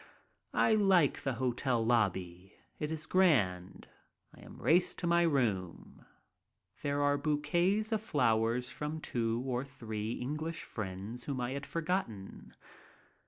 I like the hotel lobby. It is grand. I am raced to my room. There are bouquets of flowers from two or three English friends whom I had forgotten.